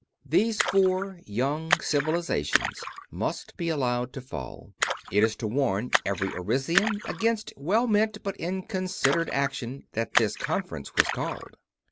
These four young Civilizations must be allowed to fall. It is to warn every Arisian against well meant but inconsidered action that this conference was called.